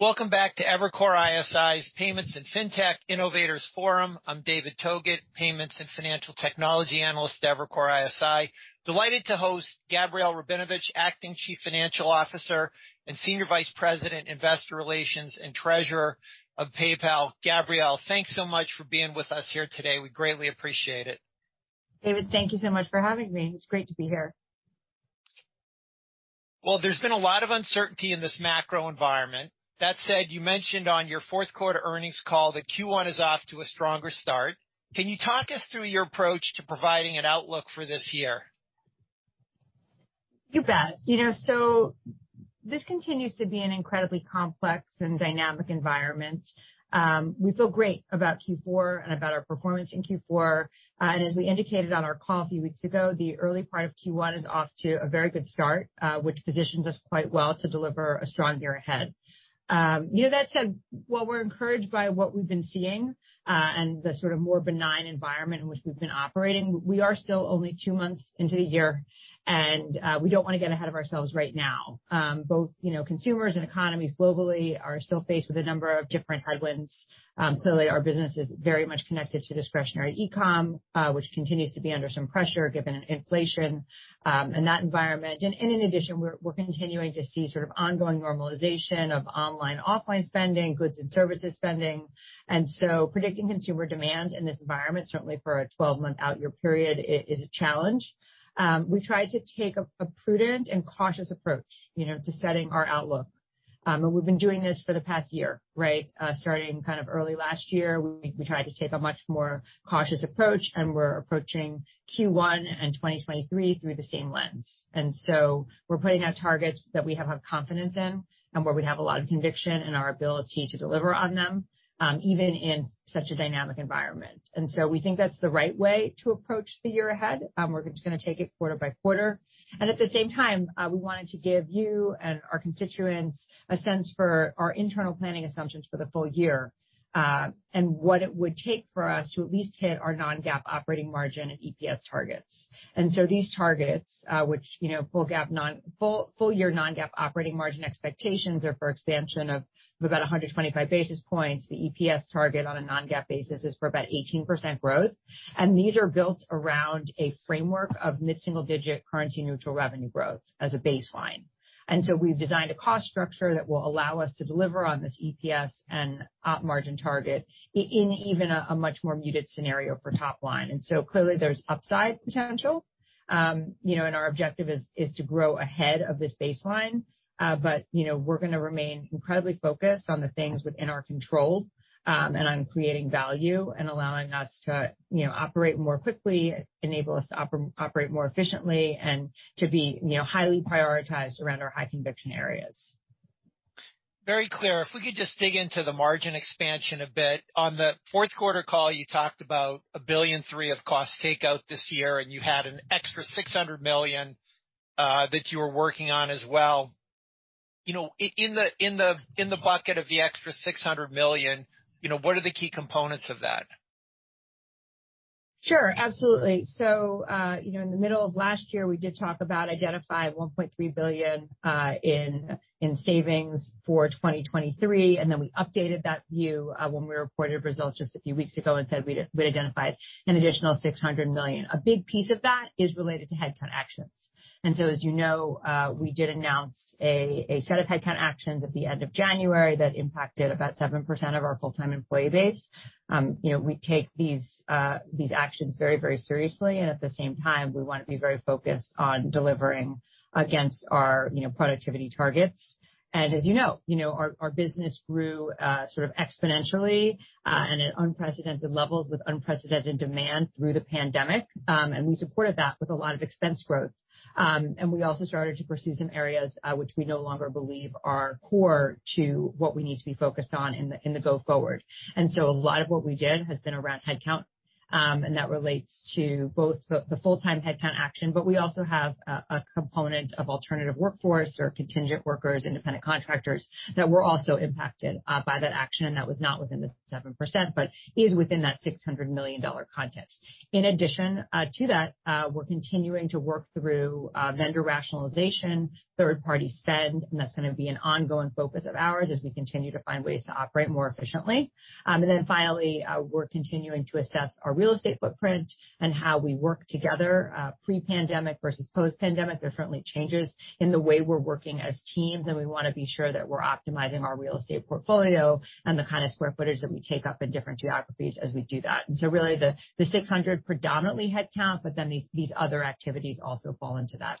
Welcome back to Evercore ISI's Payments and Fintech Innovators Forum. I'm David Togut, Payments and Financial Technology Analyst at Evercore ISI. Delighted to host Gabrielle Rabinovitch, Acting Chief Financial Officer and Senior Vice President, Investor Relations and Treasurer of PayPal. Gabrielle, thanks so much for being with us here today. We greatly appreciate it. David, thank you so much for having me. It's great to be here. There's been a lot of uncertainty in this macro environment. That said, you mentioned on your 4th Quarter Earnings Call that Q1 is off to a stronger start. Can you talk us through your approach to providing an outlook for this year? You bet. You know, this continues to be an incredibly complex and dynamic environment. We feel great about Q4 and about our performance in Q4. As we indicated on our call a few weeks ago, the early part of Q1 is off to a very good start, which positions us quite well to deliver a strong year ahead. You know, that said, while we're encouraged by what we've been seeing, and the sort of more benign environment in which we've been operating, we are still only two months into the year and we don't wanna get ahead of ourselves right now. Both, you know, consumers and economies globally are still faced with a number of different headwinds. Clearly our business is very much connected to discretionary e-com, which continues to be under some pressure given inflation and that environment. In addition, we're continuing to see sort of ongoing normalization of online, offline spending, goods and services spending. Predicting consumer demand in this environment, certainly for a 12-month out year period is a challenge. We try to take a prudent and cautious approach, you know, to setting our outlook. We've been doing this for the past year, right? Starting kind of early last year, we tried to take a much more cautious approach and we're approaching Q1 and 2023 through the same lens. We're putting out targets that we have confidence in and where we have a lot of conviction in our ability to deliver on them, even in such a dynamic environment. We think that's the right way to approach the year ahead. We're just gonna take it quarter by quarter. At the same time, we wanted to give you and our constituents a sense for our internal planning assumptions for the full year, and what it would take for us to at least hit our non-GAAP operating margin and EPS targets. These targets, which, you know, full GAAP full-year non-GAAP operating margin expectations are for expansion of about 125 basis points. The EPS target on a non-GAAP basis is for about 18% growth. These are built around a framework of mid-single digit currency neutral revenue growth as a baseline. We've designed a cost structure that will allow us to deliver on this EPS and op margin target in even a much more muted scenario for top line. You know, our objective is to grow ahead of this baseline. You know, we're gonna remain incredibly focused on the things within our control, and on creating value and allowing us to, you know, operate more quickly, enable us to operate more efficiently and to be, you know, highly prioritized around our high conviction areas. Very clear. If we could just dig into the margin expansion a bit. On the 4th quarter call, you talked about $1.3 billion of cost takeout this year, and you had an extra $600 million that you were working on as well. You know, in the bucket of the extra $600 million, you know, what are the key components of that? Sure, absolutely. you know, in the middle of last year, we did talk about identifying $1.3 billion in savings for 2023, we updated that view when we reported results just a few weeks ago and said we'd identified an additional $600 million. A big piece of that is related to headcount actions. As you know, we did announce a set of headcount actions at the end of January that impacted about 7% of our full-time employee base. you know, we take these actions very, very seriously, and at the same time, we wanna be very focused on delivering against our, you know, productivity targets. As you know, our business grew sort of exponentially and at unprecedented levels with unprecedented demand through the pandemic. We supported that with a lot of expense growth. We also started to pursue some areas which we no longer believe are core to what we need to be focused on in the go forward. A lot of what we did has been around headcount, and that relates to both the full-time headcount action, but we also have a component of alternative workforce or contingent workers, independent contractors that were also impacted by that action. That was not within the 7%, but is within that $600 million context. In addition to that, we're continuing to work through vendor rationalization, third party spend, and that's gonna be an ongoing focus of ours as we continue to find ways to operate more efficiently. Finally, we're continuing to assess our real estate footprint and how we work together, pre-pandemic versus post-pandemic. There are certainly changes in the way we're working as teams, and we wanna be sure that we're optimizing our real estate portfolio and the kind of square footage that we take up in different geographies as we do that. Really, the 600 predominantly headcount, but then these other activities also fall into that.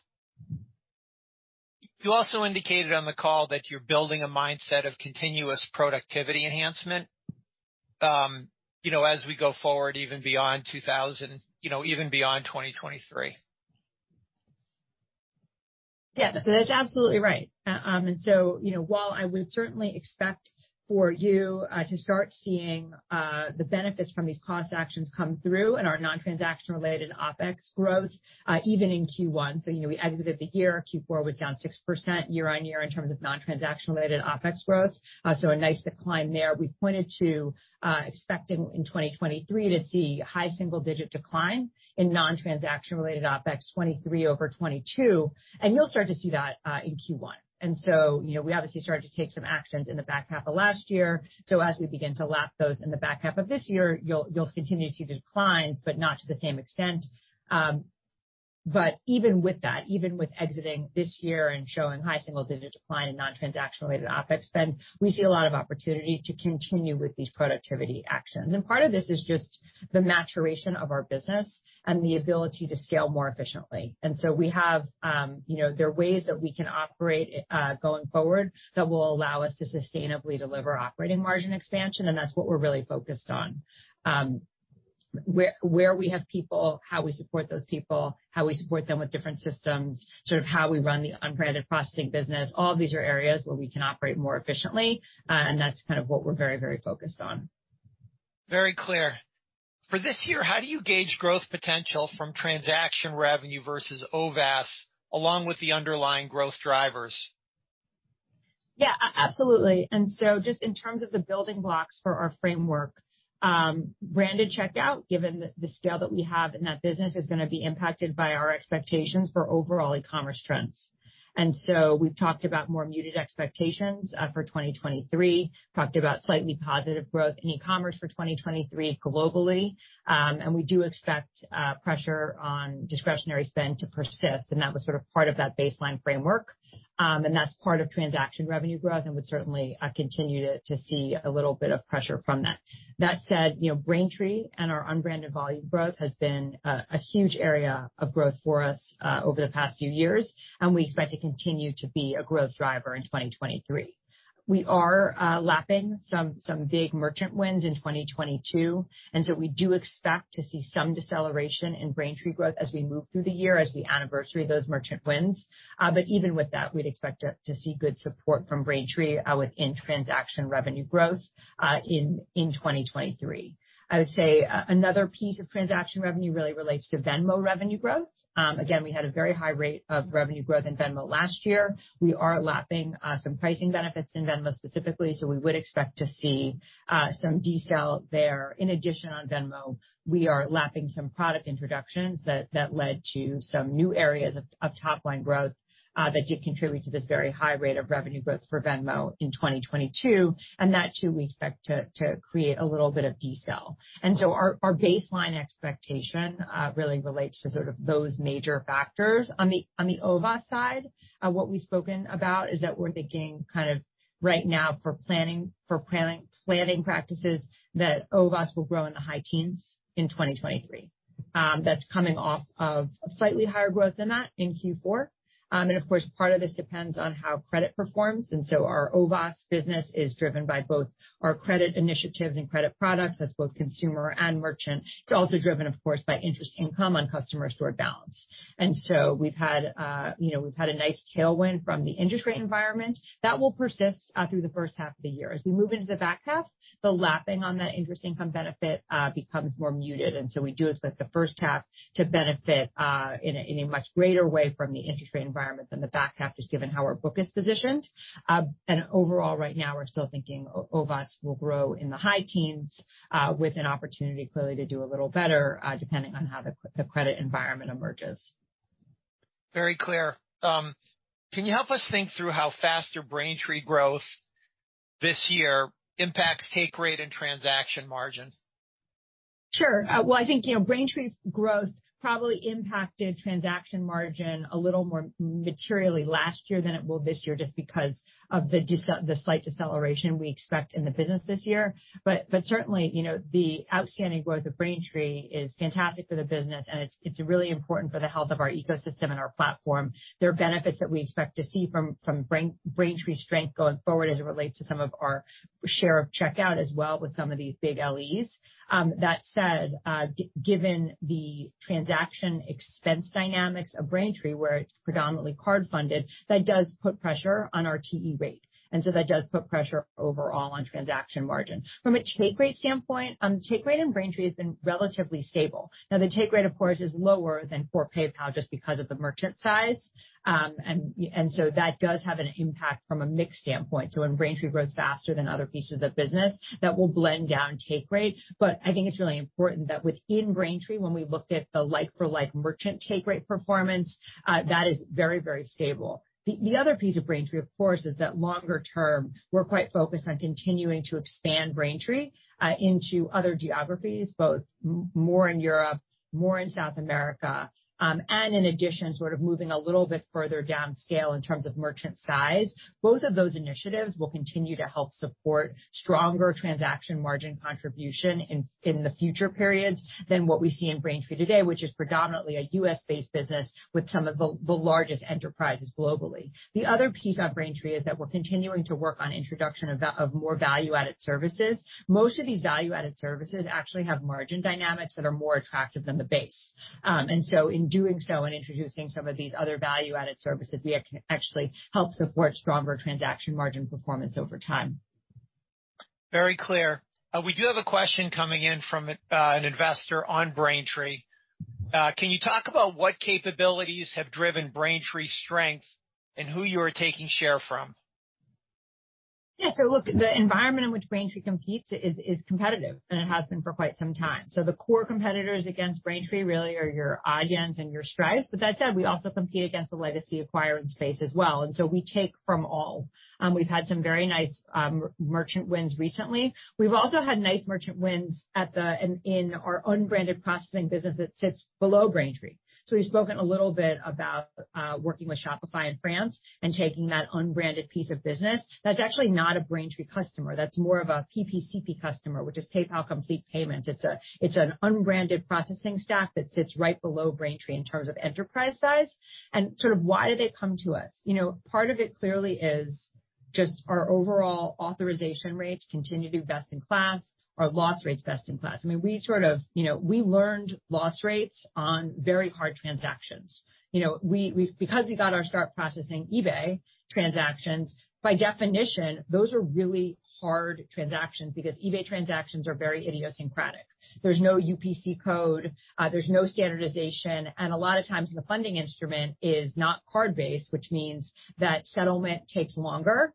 You also indicated on the call that you're building a mindset of continuous productivity enhancement, you know, as we go forward, you know, even beyond 2023. Yes, that's absolutely right. You know, while I would certainly expect for you to start seeing the benefits from these cost actions come through in our non-transaction related OpEx growth, even in Q1. You know, we exited the year, Q4 was down 6% year-on-year in terms of non-transaction related OpEx growth. So a nice decline there. We pointed to expecting in 2023 to see high single digit decline in non-transaction related OpEx 2023 over 2022, and you'll start to see that in Q1. You know, we obviously started to take some actions in the back half of last year. As we begin to lap those in the back half of this year, you'll continue to see the declines, but not to the same extent. Even with that, even with exiting this year and showing high single-digit decline in non-transaction related OpEx spend, we see a lot of opportunity to continue with these productivity actions. Part of this is just the maturation of our business and the ability to scale more efficiently. We have, you know, there are ways that we can operate going forward that will allow us to sustainably deliver operating margin expansion, and that's what we're really focused on. Where we have people, how we support those people, how we support them with different systems, sort of how we run the unbranded processing business, all of these are areas where we can operate more efficiently, and that's kind of what we're very focused on. Very clear. For this year, how do you gauge growth potential from transaction revenue versus OVAS along with the underlying growth drivers? Yeah, absolutely. Just in terms of the building blocks for our framework, branded checkout, given the scale that we have in that business, is gonna be impacted by our expectations for overall e-commerce trends. We've talked about more muted expectations for 2023, talked about slightly positive growth in e-commerce for 2023 globally. We do expect pressure on discretionary spend to persist, and that was sort of part of that baseline framework. That's part of transaction revenue growth and would certainly continue to see a little bit of pressure from that. That said, you know, Braintree and our unbranded volume growth has been a huge area of growth for us over the past few years, and we expect to continue to be a growth driver in 2023. We are lapping some big merchant wins in 2022. We do expect to see some deceleration in Braintree growth as we move through the year as we anniversary those merchant wins. Even with that, we'd expect to see good support from Braintree within transaction revenue growth in 2023. I would say another piece of transaction revenue really relates to Venmo revenue growth. Again, we had a very high rate of revenue growth in Venmo last year. We are lapping some pricing benefits in Venmo specifically. We would expect to see some decel there. In addition, on Venmo, we are lapping some product introductions that led to some new areas of top line growth that did contribute to this very high rate of revenue growth for Venmo in 2022, and that too we expect to create a little bit of decel. Our baseline expectation really relates to sort of those major factors. On the OVAS side, what we've spoken about is that we're thinking kind of right now for planning practices that OVAS will grow in the high teens in 2023. That's coming off of slightly higher growth than that in Q4. Of course, part of this depends on how credit performs. Our OVAS business is driven by both our credit initiatives and credit products. That's both consumer and merchant. It's also driven, of course, by interest income on customer stored balance. We've had, you know, we've had a nice tailwind from the interest rate environment. That will persist through the first half of the year. As we move into the back half, the lapping on that interest income benefit becomes more muted. We do expect the first half to benefit in a much greater way from the interest rate environment than the back half, just given how our book is positioned. Overall, right now, we're still thinking OVAS will grow in the high teens with an opportunity clearly to do a little better depending on how the credit environment emerges. Very clear. Can you help us think through how faster Braintree growth this year impacts take rate and transaction margin? Sure. Well, I think, you know, Braintree's growth probably impacted transaction margin a little more materially last year than it will this year just because of the slight deceleration we expect in the business this year. But certainly, you know, the outstanding growth of Braintree is fantastic for the business, and it's really important for the health of our ecosystem and our platform. There are benefits that we expect to see from Braintree's strength going forward as it relates to some of our share of checkout as well with some of these big LEs. That said, given the transaction expense dynamics of Braintree, where it's predominantly card funded, that does put pressure on our take rate. That does put pressure overall on transaction margin. From a take rate standpoint, take rate in Braintree has been relatively stable. The take rate, of course, is lower than for PayPal just because of the merchant size. That does have an impact from a mix standpoint. When Braintree grows faster than other pieces of business, that will blend down take rate. I think it's really important that within Braintree, when we looked at the like for like merchant take rate performance, that is very, very stable. The other piece of Braintree, of course, is that longer term, we're quite focused on continuing to expand Braintree into other geographies, both more in Europe, more in South America, in addition, sort of moving a little bit further down scale in terms of merchant size. Both of those initiatives will continue to help support stronger transaction margin contribution in the future periods than what we see in Braintree today, which is predominantly a U.S.-based business with some of the largest enterprises globally. The other piece on Braintree is that we're continuing to work on introduction of more value-added services. Most of these value-added services actually have margin dynamics that are more attractive than the base. In doing so and introducing some of these other value-added services, we actually help support stronger transaction margin performance over time. Very clear. We do have a question coming in from an investor on Braintree. Can you talk about what capabilities have driven Braintree's strength and who you are taking share from? Look, the environment in which Braintree competes is competitive, and it has been for quite some time. The core competitors against Braintree really are your Adyen and your Stripe. That said, we also compete against the legacy acquiring space as well. We take from all. We've had some very nice merchant wins recently. We've also had nice merchant wins in our unbranded processing business that sits below Braintree. We've spoken a little bit about working with Shopify in France and taking that unbranded piece of business. That's actually not a Braintree customer. That's more of a PPCP customer, which is PayPal Complete Payments. It's an unbranded processing stack that sits right below Braintree in terms of enterprise size. Sort of why did they come to us? You know, part of it clearly is just our overall authorization rates continue to be best in class. Our loss rate's best in class. I mean, we sort of, you know, we learned loss rates on very hard transactions. You know, because we got our start processing eBay transactions, by definition, those are really hard transactions because eBay transactions are very idiosyncratic. There's no UPC code, there's no standardization, and a lot of times the funding instrument is not card-based, which means that settlement takes longer.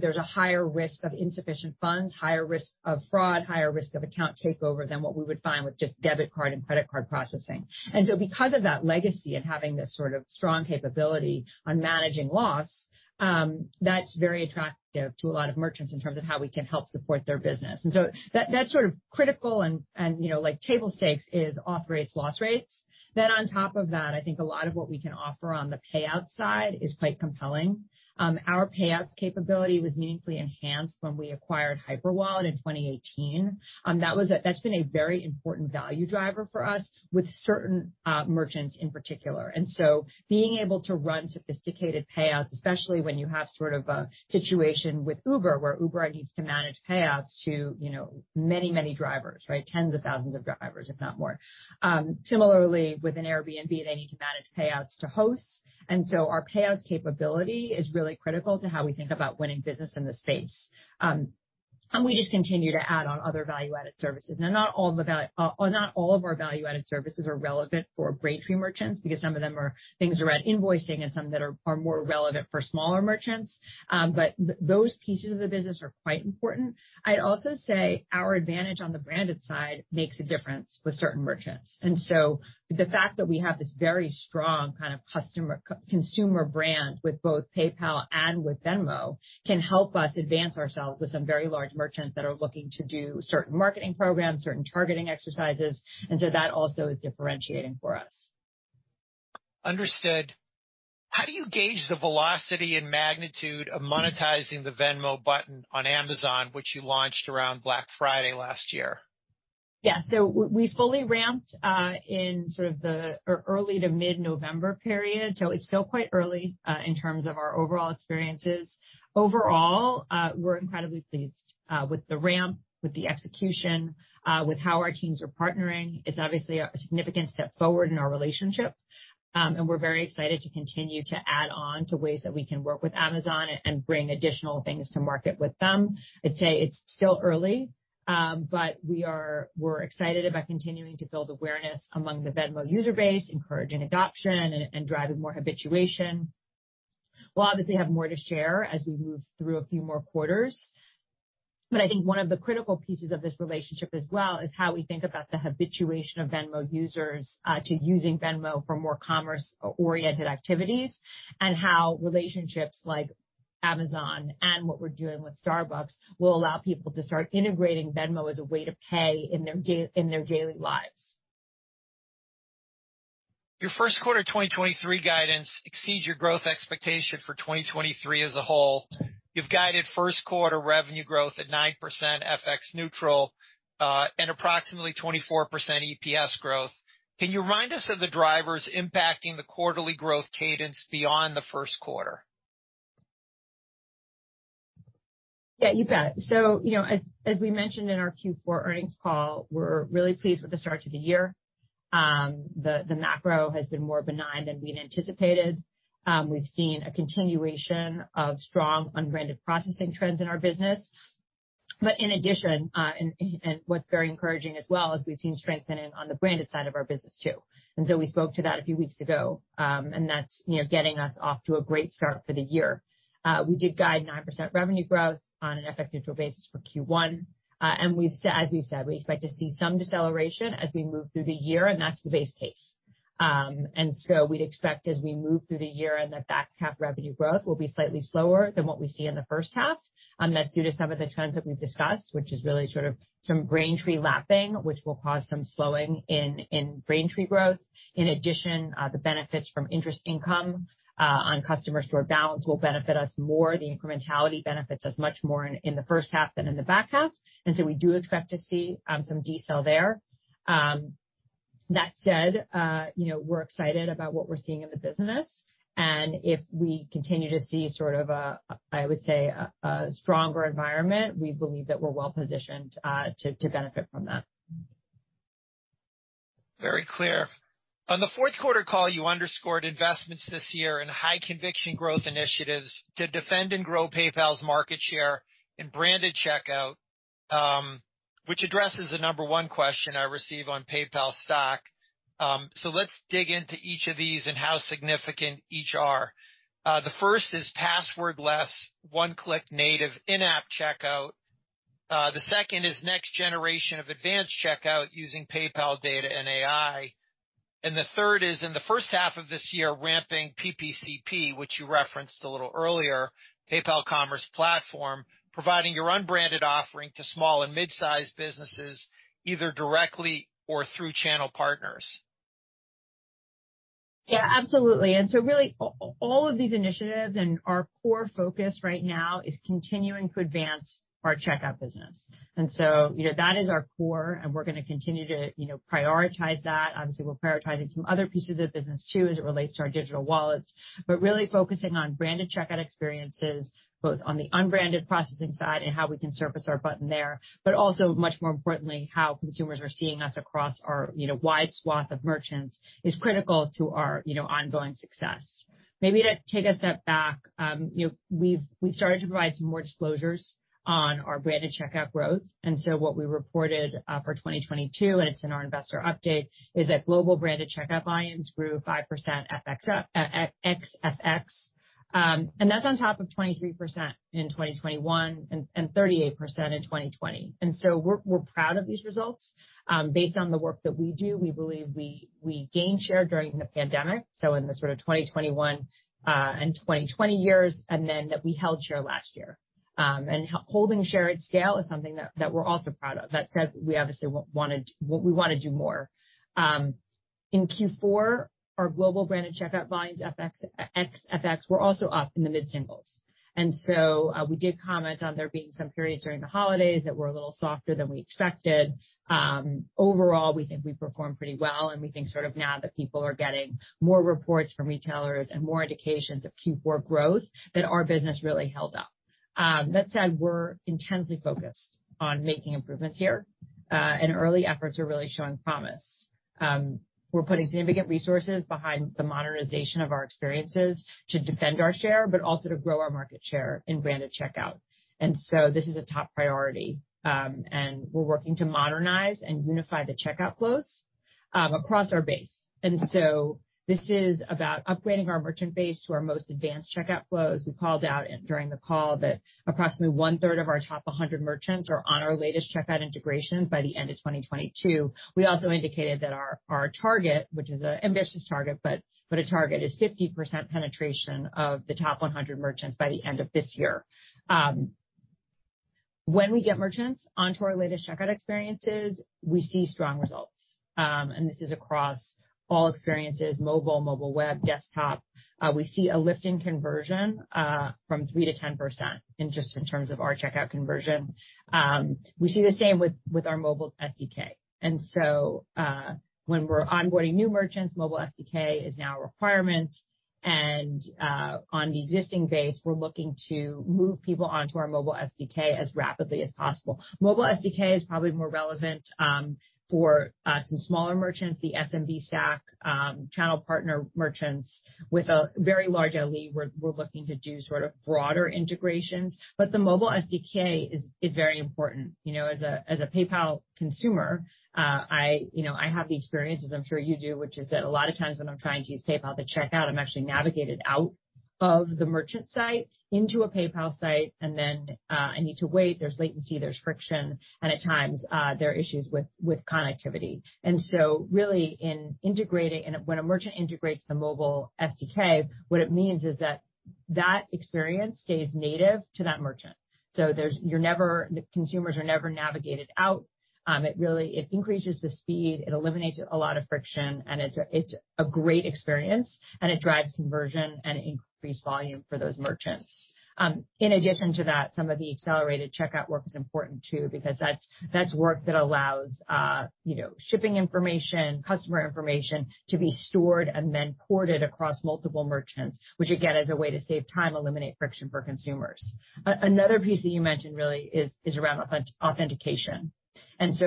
There's a higher risk of insufficient funds, higher risk of fraud, higher risk of account takeover than what we would find with just debit card and credit card processing. Because of that legacy and having this sort of strong capability on managing loss, that's very attractive to a lot of merchants in terms of how we can help support their business. That's sort of critical and, you know, like table stakes is auth rates, loss rates. On top of that, I think a lot of what we can offer on the payout side is quite compelling. Our payouts capability was meaningfully enhanced when we acquired Hyperwallet in 2018. That's been a very important value driver for us with certain merchants in particular. Being able to run sophisticated payouts, especially when you have sort of a situation with Uber, where Uber needs to manage payouts to, you know, many drivers, right? Tens of thousands of drivers, if not more. Similarly with an Airbnb, they need to manage payouts to hosts. Our payouts capability is really critical to how we think about winning business in the space. We just continue to add on other value-added services. Now, not all of our value-added services are relevant for Braintree merchants because some of them are things around invoicing and some that are more relevant for smaller merchants. Those pieces of the business are quite important. I'd also say our advantage on the branded side makes a difference with certain merchants. The fact that we have this very strong kind of customer consumer brand with both PayPal and with Venmo can help us advance ourselves with some very large merchants that are looking to do certain marketing programs, certain targeting exercises. That also is differentiating for us. Understood. How do you gauge the velocity and magnitude of monetizing the Venmo button on Amazon, which you launched around Black Friday last year? Yeah. We fully ramped in sort of the early to mid-November period. It's still quite early in terms of our overall experiences. Overall, we're incredibly pleased with the ramp, with the execution, with how our teams are partnering. It's obviously a significant step forward in our relationship, and we're very excited to continue to add on to ways that we can work with Amazon and bring additional things to market with them. I'd say it's still early, but we're excited about continuing to build awareness among the Venmo user base, encouraging adoption and driving more habituation. We'll obviously have more to share as we move through a few more quarters. I think one of the critical pieces of this relationship as well is how we think about the habituation of Venmo users to using Venmo for more commerce-oriented activities, and how relationships like Amazon and what we're doing with Starbucks will allow people to start integrating Venmo as a way to pay in their daily lives. Your 1st quarter 2023 guidance exceeds your growth expectation for 2023 as a whole. You've guided 1st quarter revenue growth at 9% FX-neutral, and approximately 24% EPS growth. Can you remind us of the drivers impacting the quarterly growth cadence beyond the first quarter? Yeah, you bet. You know, as we mentioned in our Q4 earnings call, we're really pleased with the start to the year. The macro has been more benign than we'd anticipated. We've seen a continuation of strong unbranded processing trends in our business. In addition, what's very encouraging as well is we've seen strengthening on the branded side of our business too. We spoke to that a few weeks ago. That's, you know, getting us off to a great start for the year. We did guide 9% revenue growth on an FX-neutral basis for Q1. As we've said, we expect to see some deceleration as we move through the year, and that's the base case. We'd expect as we move through the year and the back half revenue growth will be slightly slower than what we see in the first half. That's due to some of the trends that we've discussed, which is really sort of some Braintree lapping, which will cause some slowing in Braintree growth. In addition, the benefits from interest income on customers who are balanced will benefit us more. The incrementality benefits us much more in the first half than in the back half. So we do expect to see some decel there. That said, you know, we're excited about what we're seeing in the business, and if we continue to see sort of a stronger environment, we believe that we're well positioned to benefit from that. Very clear. On the 4th quarter call, you underscored investments this year in high conviction growth initiatives to defend and grow PayPal's market share in branded checkout. Which addresses the number one question I receive on PayPal stock. Let's dig into each of these and how significant each are. The first is passwordless 1-click native in-app checkout. The second is next generation of advanced checkout using PayPal data and AI. The third is in the first half of this year, ramping PPCP, which you referenced a little earlier, PayPal Commerce Platform, providing your unbranded offering to small and mid-sized businesses either directly or through channel partners. Yeah, absolutely. Really, all of these initiatives and our core focus right now is continuing to advance our checkout business. You know, that is our core, and we're gonna continue to, you know, prioritize that. Obviously, we're prioritizing some other pieces of business too, as it relates to our digital wallets, but really focusing on branded checkout experiences, both on the unbranded processing side and how we can surface our button there, but also, much more importantly, how consumers are seeing us across our, you know, wide swath of merchants is critical to our, you know, ongoing success. Maybe to take a step back, you know, we've started to provide some more disclosures on our branded checkout growth. What we reported for 2022, and it's in our investor update, is that global branded checkout volumes grew 5% ex-FX. That's on top of 23% in 2021 and 38% in 2020. We're proud of these results. Based on the work that we do, we believe we gained share during the pandemic, so in the sort of 2021 and 2020 years, we held share last year. Holding share at scale is something that we're also proud of. That said, we obviously wanna do more. In Q4, our global branded checkout volumes ex-FX were also up in the mid-singles. We did comment on there being some periods during the holidays that were a little softer than we expected. Overall, we think we performed pretty well, and we think sort of now that people are getting more reports from retailers and more indications of Q4 growth, that our business really held up. That said, we're intensely focused on making improvements here, and early efforts are really showing promise. We're putting significant resources behind the modernization of our experiences to defend our share, but also to grow our market share in branded checkout. This is a top priority, and we're working to modernize and unify the checkout flows across our base. This is about upgrading our merchant base to our most advanced checkout flows. We called out during the call that approximately one-third of our top 100 merchants are on our latest checkout integrations by the end of 2022. We also indicated that our target, which is an ambitious target, but a target, is 50% penetration of the top 100 merchants by the end of this year. When we get merchants onto our latest checkout experiences, we see strong results. This is across all experiences, mobile web, desktop. We see a lift in conversion from 3%-10% in just in terms of our checkout conversion. We see the same with our mobile SDK. When we're onboarding new merchants, mobile SDK is now a requirement, and on the existing base, we're looking to move people onto our mobile SDK as rapidly as possible. Mobile SDK is probably more relevant for some smaller merchants, the SMB stack, channel partner merchants. With a very large LE, we're looking to do sort of broader integrations. The mobile SDK is very important. You know, as a PayPal consumer, I, you know, I have the experiences I'm sure you do, which is that a lot of times when I'm trying to use PayPal to check out, I'm actually navigated out of the merchant site into a PayPal site, and then I need to wait. There's latency, there's friction, and at times there are issues with connectivity. Really in integrating and when a merchant integrates the mobile SDK, what it means is that that experience stays native to that merchant. The consumers are never navigated out. It really, it increases the speed, it eliminates a lot of friction, and it's a great experience, and it drives conversion and increased volume for those merchants. In addition to that, some of the accelerated checkout work is important too, because that's work that allows, you know, shipping information, customer information to be stored and then ported across multiple merchants, which again, is a way to save time, eliminate friction for consumers. Another piece that you mentioned really is around authentication.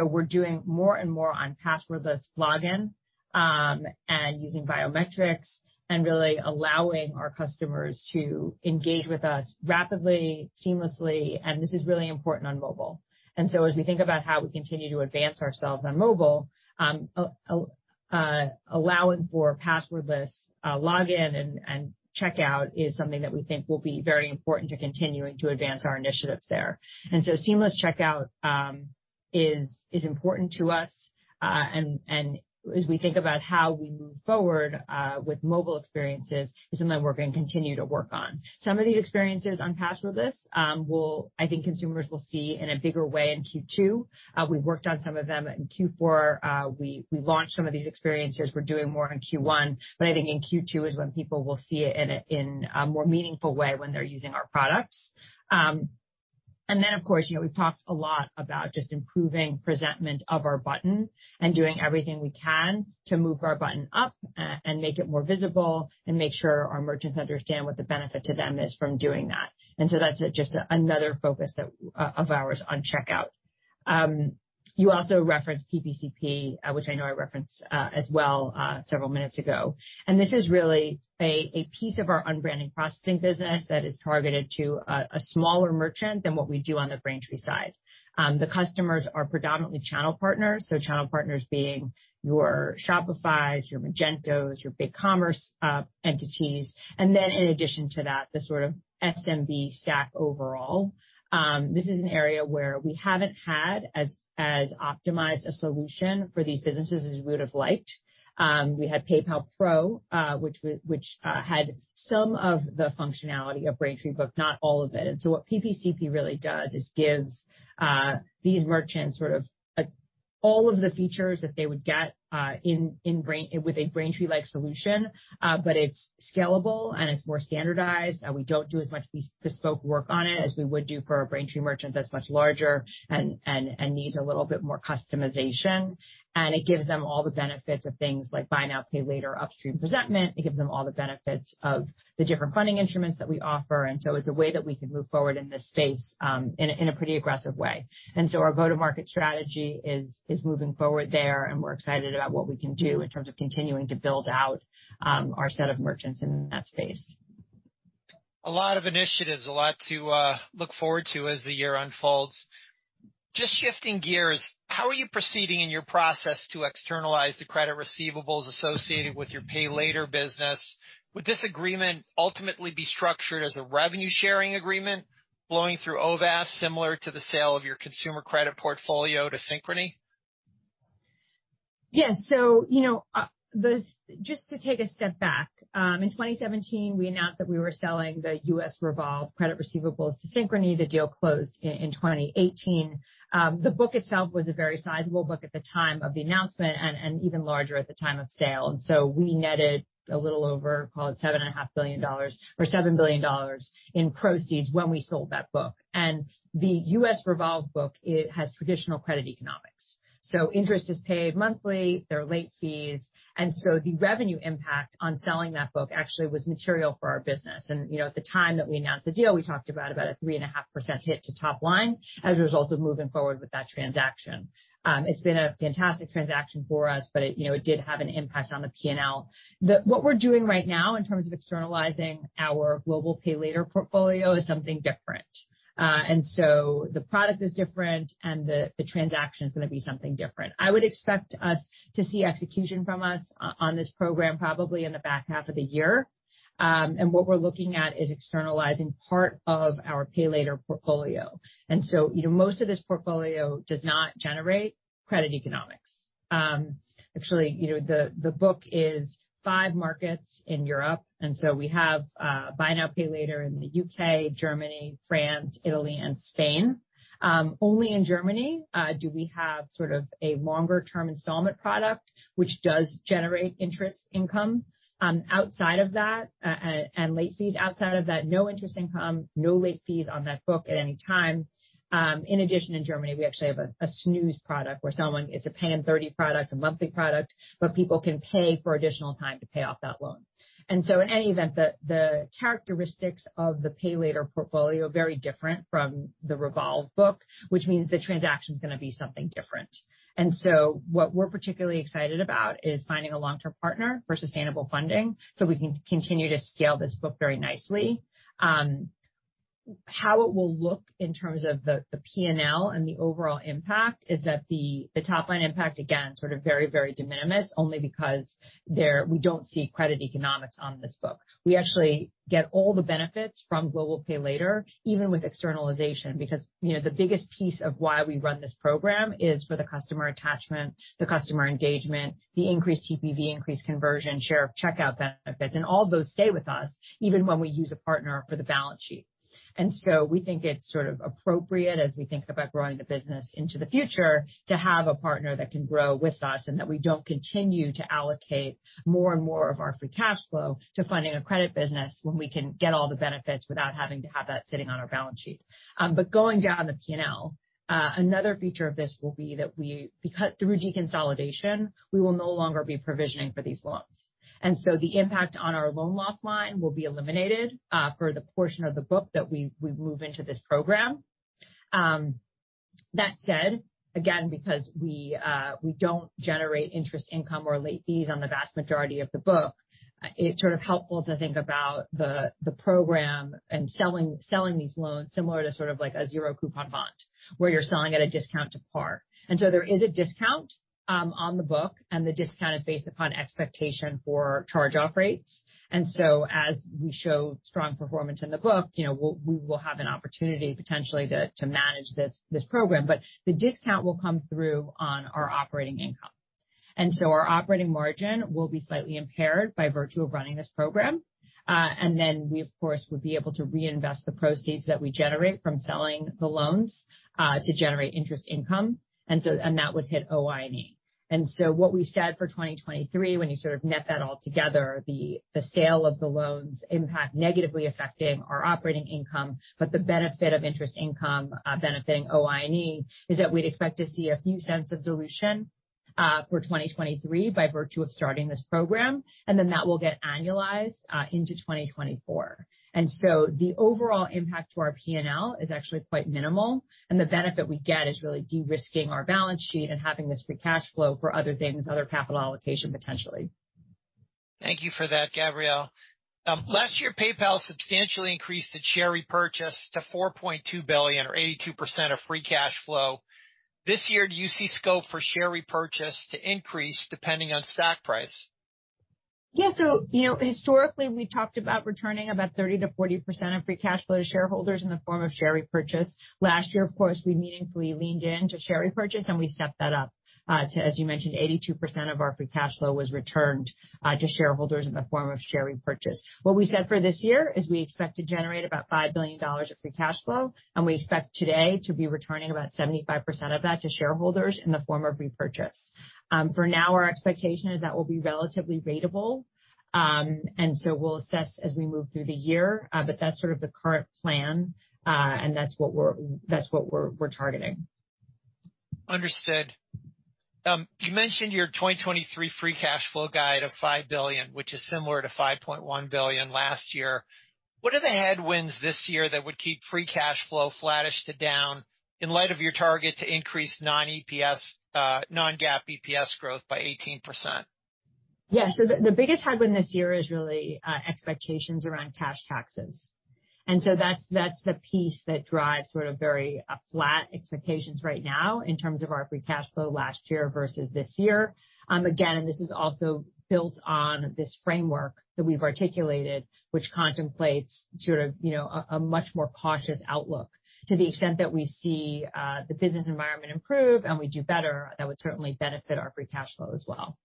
We're doing more and more on passwordless login and using biometrics and really allowing our customers to engage with us rapidly, seamlessly, and this is really important on mobile. As we think about how we continue to advance ourselves on mobile, allowing for password-less login and checkout is something that we think will be very important to continuing to advance our initiatives there. Seamless checkout is important to us. As we think about how we move forward with mobile experiences, it's something we're gonna continue to work on. Some of these experiences on passwordless, I think consumers will see in a bigger way in Q2. We've worked on some of them in Q4. We launched some of these experiences. We're doing more in Q1, but I think in Q2 is when people will see it in a more meaningful way when they're using our products. Of course, you know, we've talked a lot about just improving presentment of our button and doing everything we can to move our button up and make it more visible and make sure our merchants understand what the benefit to them is from doing that. That's just another focus that of ours on checkout. You also referenced PPCP, which I know I referenced as well several minutes ago. This is really a piece of our unbranded processing business that is targeted to a smaller merchant than what we do on the Braintree side. The customers are predominantly channel partners, so channel partners being your Shopifys, your Magentos, your BigCommerce entities. In addition to that, the sort of SMB stack overall. This is an area where we haven't had as optimized a solution for these businesses as we would have liked. We had PayPal Pro, which had some of the functionality of Braintree, but not all of it. What PPCP really does is gives these merchants sort of, like, all of the features that they would get in a Braintree-like solution. But it's scalable and it's more standardized, and we don't do as much bespoke work on it as we would do for a Braintree merchant that's much larger and needs a little bit more customization. It gives them all the benefits of things like buy now, pay later, upstream presentment. It gives them all the benefits of the different funding instruments that we offer. It's a way that we can move forward in this space, in a pretty aggressive way. Our go-to-market strategy is moving forward there, and we're excited about what we can do in terms of continuing to build out, our set of merchants in that space. A lot of initiatives, a lot to look forward to as the year unfolds. Just shifting gears, how are you proceeding in your process to externalize the credit receivables associated with your pay later business? Would this agreement ultimately be structured as a revenue sharing agreement flowing through OVAS, similar to the sale of your consumer credit portfolio to Synchrony? Yes. You know, Just to take a step back, in 2017, we announced that we were selling the U.S. revolve credit receivables to Synchrony. The deal closed in 2018. The book itself was a very sizable book at the time of the announcement and even larger at the time of sale. We netted a little over, call it $7,500,000 or $7 billion in proceeds when we sold that book. The U.S. revolve book, it has traditional credit economics, so interest is paid monthly, there are late fees. The revenue impact on selling that book actually was material for our business. You know, at the time that we announced the deal, we talked about a 3.5% hit to top line as a result of moving forward with that transaction. It's been a fantastic transaction for us, but, you know, it did have an impact on the PNL. What we're doing right now in terms of externalizing our global pay later portfolio is something different. The product is different and the transaction is gonna be something different. I would expect us to see execution from us on this program probably in the back half of the year. What we're looking at is externalizing part of our pay later portfolio. You know, most of this portfolio does not generate credit economics. Actually, you know, the book is five Markets in Europe. So we have buy now, pay later in the U.K., Germany, France, Italy and Spain. Only in Germany do we have sort of a longer term installment product which does generate interest income, outside of that, and late fees. Outside of that, no interest income, no late fees on that book at any time. In addition, in Germany, we actually have a snooze product. We're selling, it's a Pay in 30 product, a monthly product, but people can pay for additional time to pay off that loan. So in any event, the characteristics of the pay later portfolio are very different from the revolve book, which means the transaction is gonna be something different. What we're particularly excited about is finding a long-term partner for sustainable funding so we can continue to scale this book very nicely. How it will look in terms of the PNL and the overall impact is that the top line impact, again, sort of very, very de minimis only because we don't see credit economics on this book. We actually get all the benefits from global pay later, even with externalization, because, you know, the biggest piece of why we run this program is for the customer attachment, the customer engagement, the increased TPV, increased conversion, share of checkout benefits, and all of those stay with us even when we use a partner for the balance sheet. We think it's sort of appropriate as we think about growing the business into the future, to have a partner that can grow with us and that we don't continue to allocate more and more of our free cash flow to funding a credit business when we can get all the benefits without having to have that sitting on our balance sheet. Going down the PNL, another feature of this will be that we because through deconsolidation, we will no longer be provisioning for these loans. The impact on our loan loss line will be eliminated, for the portion of the book that we move into this program. That said, again, because we don't generate interest income or late fees on the vast majority of the book, it's sort of helpful to think about the program and selling these loans similar to sort of like a zero coupon bond where you're selling at a discount to par. There is a discount on the book, and the discount is based upon expectation for charge off rates. As we show strong performance in the book, you know, we will have an opportunity potentially to manage this program. The discount will come through on our operating income, our operating margin will be slightly impaired by virtue of running this program. We of course, would be able to reinvest the proceeds that we generate from selling the loans to generate interest income. That would hit OI&E. What we said for 2023, when you sort of net that all together, the sale of the loans impact negatively affecting our operating income, but the benefit of interest income benefiting OI&E is that we'd expect to see a few cents of dilution for 2023 by virtue of starting this program, and then that will get annualized into 2024. The overall impact to our PNL is actually quite minimal, and the benefit we get is really de-risking our balance sheet and having this free cash flow for other things, other capital allocation, potentially. Thank you for that, Gabrielle. Last year, PayPal substantially increased its share repurchase to $4.2 billion or 82% of free cash flow. This year, do you see scope for share repurchase to increase depending on stock price? Yeah. you know, historically, we talked about returning about 30%-40% of free cash flow to shareholders in the form of share repurchase. Last year, of course, we meaningfully leaned into share repurchase, and we stepped that up, to, as you mentioned, 82% of our free cash flow was returned, to shareholders in the form of share repurchase. What we said for this year is we expect to generate about $5 billion of free cash flow, and we expect today to be returning about 75% of that to shareholders in the form of repurchase. For now, our expectation is that will be relatively ratable. we'll assess as we move through the year. That's sort of the current plan, and that's what we're targeting. Understood. You mentioned your 2023 free cash flow guide of $5 billion, which is similar to $5.1 billion last year. What are the headwinds this year that would keep free cash flow flattish to down in light of your target to increase non-GAAP EPS growth by 18%? Yeah. The biggest headwind this year is really expectations around cash taxes. That's the piece that drives sort of very flat expectations right now in terms of our free cash flow last year versus this year. Again, this is also built on this framework that we've articulated, which contemplates sort of, you know, a much more cautious outlook. To the extent that we see the business environment improve and we do better, that would certainly benefit our free cash flow as well.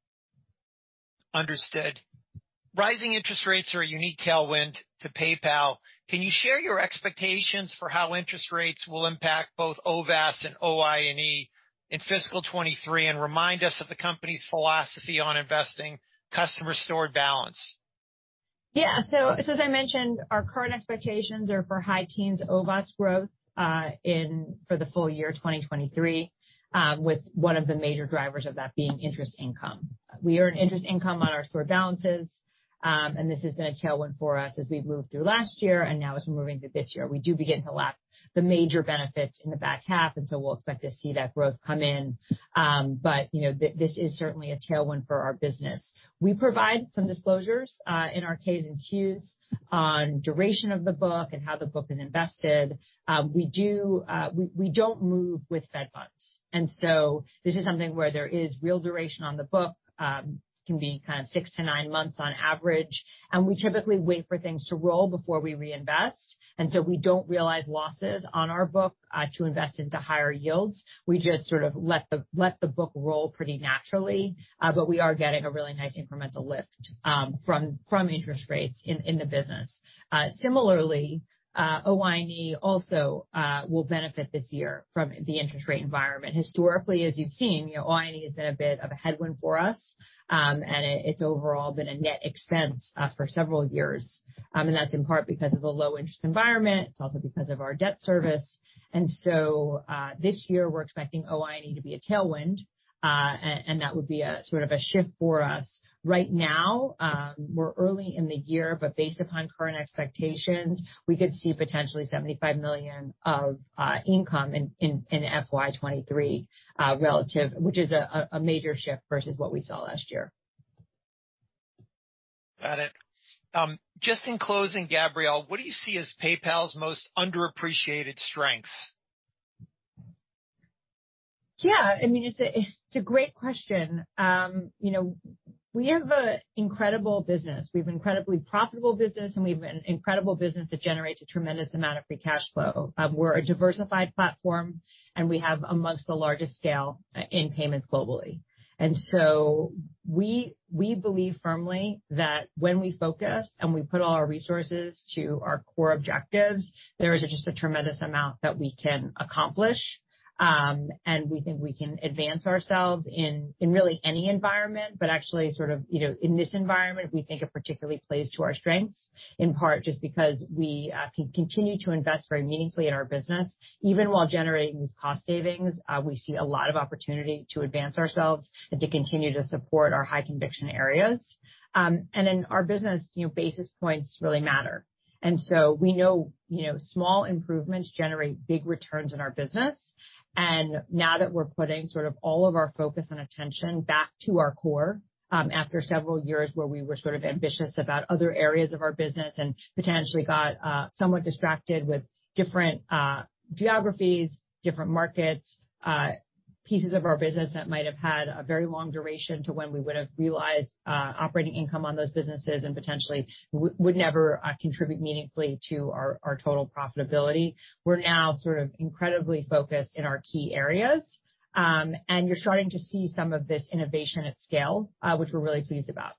Understood. Rising interest rates are a unique tailwind to PayPal. Can you share your expectations for how interest rates will impact both OVAS and OI&E in fiscal 23 and remind us of the company's philosophy on investing customer stored balance? Yeah. As I mentioned, our current expectations are for high teens OVAS growth for the full year 2023, with one of the major drivers of that being interest income. We earn interest income on our stored balances, and this has been a tailwind for us as we moved through last year, and now as we're moving through this year. We do begin to lap the major benefits in the back half, and so we'll expect to see that growth come in. You know, this is certainly a tailwind for our business. We provide some disclosures in our K's and Q's on duration of the book and how the book is invested. We do, we don't move with fed funds. This is something where there is real duration on the book, can be kind of 6-9 months on average. We typically wait for things to roll before we reinvest. We don't realize losses on our book to invest into higher yields. We just sort of let the book roll pretty naturally, but we are getting a really nice incremental lift from interest rates in the business. Similarly, OI&E also will benefit this year from the interest rate environment. Historically, as you've seen, you know, OI&E has been a bit of a headwind for us. It's overall been a net expense for several years. That's in part because of the low interest environment. It's also because of our debt service. This year, we're expecting OI&E to be a tailwind, and that would be a sort of a shift for us. Right now, we're early in the year, but based upon current expectations, we could see potentially $75 million of income in FY 2023, relative, which is a major shift versus what we saw last year. Got it. Just in closing, Gabrielle, what do you see as PayPal's most underappreciated strengths? Yeah. I mean, it's a, it's a great question. You know, we have a incredible business. We have incredibly profitable business, and we have an incredible business that generates a tremendous amount of free cash flow. We're a diversified platform, and we have amongst the largest scale in payments globally. We, we believe firmly that when we focus and we put all our resources to our core objectives, there is just a tremendous amount that we can accomplish. We think we can advance ourselves in really any environment, but actually sort of, you know, in this environment, we think it particularly plays to our strengths, in part just because we can continue to invest very meaningfully in our business. Even while generating these cost savings, we see a lot of opportunity to advance ourselves and to continue to support our high conviction areas. In our business, you know, basis points really matter. We know, you know, small improvements generate big returns in our business. Now that we're putting sort of all of our focus and attention back to our core, after several years where we were sort of ambitious about other areas of our business and potentially got somewhat distracted with different geographies, different markets, pieces of our business that might have had a very long duration to when we would have realized operating income on those businesses and potentially would never contribute meaningfully to our total profitability. We're now sort of incredibly focused in our key areas, and you're starting to see some of this innovation at scale, which we're really pleased about.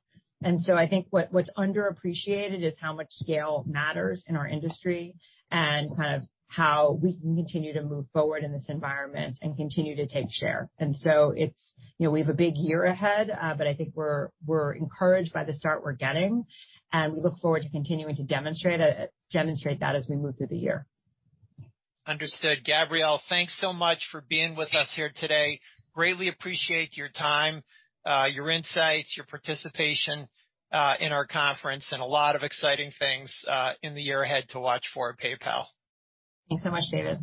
I think what's underappreciated is how much scale matters in our industry and kind of how we can continue to move forward in this environment and continue to take share. It's, you know, we have a big year ahead, but I think we're encouraged by the start we're getting, and we look forward to continuing to demonstrate that as we move through the year. Understood. Gabrielle, thanks so much for being with us here today. Greatly appreciate your time, your insights, your participation, in our conference. A lot of exciting things, in the year ahead to watch for at PayPal. Thanks so much, David.